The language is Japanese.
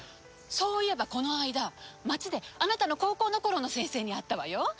そういえばこの間街であなたの高校の頃の先生に会ったわよ。